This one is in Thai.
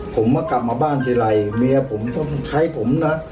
ผมมากลับมาบ้านทีไรเมียผมต้องใช้ผมนะ